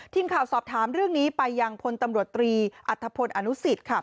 ทีมข่าวสอบถามเรื่องนี้ไปยังพลตำรวจตรีอัธพลอนุสิตค่ะ